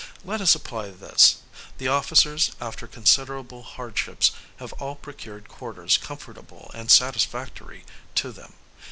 Let us apply this: the officers, after considerable hardships, have all procured quarters comfortable and satisfactory to them.